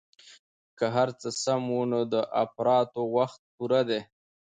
که هرڅه سم وو نو د اپراتو وخت پوره ديه.